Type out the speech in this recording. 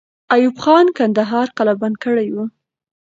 ایوب خان کندهار قلابند کړی وو.